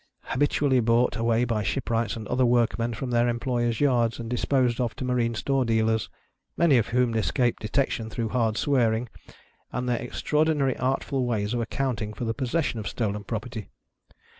habitually brought away by shipwrights and other workmen from their employers' yards, and disposed of to marine store dealers, many of whom escaped detection through hard swearing, and their extraordinary artful ways of accounting for the possession of stolen property.